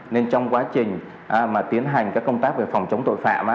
nên trong quá trình mà tiến hành các công tác về phòng chống tội phạm